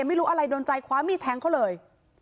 ไม่รู้อะไรโดนใจคว้ามีดแทงเขาเลย